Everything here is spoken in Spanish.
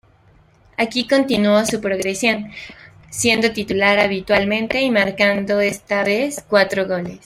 Aquí continuó su progresión, siendo titular habitualmente y marcando esta vez cuatro goles.